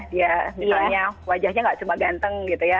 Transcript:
dia misalnya wajahnya gak cuma ganteng gitu ya